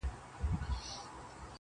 چي لاسونه ماتوم د زورورو-